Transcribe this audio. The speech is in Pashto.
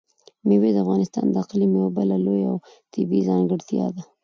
مېوې د افغانستان د اقلیم یوه بله لویه او طبیعي ځانګړتیا ده.